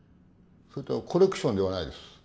それとコレクションではないです。